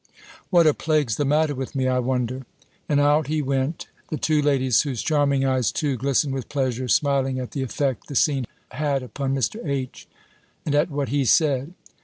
What a plague's the matter with me, I wonder!" And out he went, the two ladies, whose charming eyes, too, glistened with pleasure, smiling at the effect the scene had upon Mr. H. and at what he said.